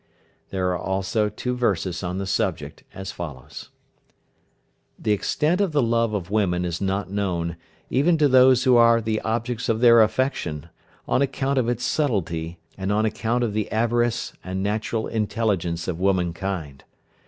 There are also two verses on the subject as follows: "The extent of the love of women is not known, even to those who are the objects of their affection, on account of its subtlety, and on account of the avarice, and natural intelligence of womankind."